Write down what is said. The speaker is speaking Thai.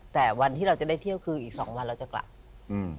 แต่วันที่เราจะได้เที่ยวคืออีกสองวันเราจะกลับอืม